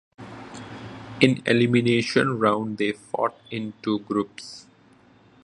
In elimination round they fought in two groups.